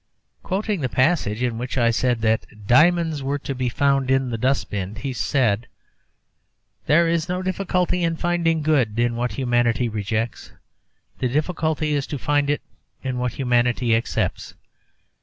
Quoting the passage in which I said that 'diamonds were to be found in the dust bin,' he said: 'There is no difficulty in finding good in what humanity rejects. The difficulty is to find it in what humanity accepts.